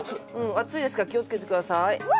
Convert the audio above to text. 熱いですから気をつけてくださいうわ！